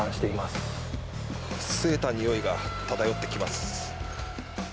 すえた臭いが漂ってきます。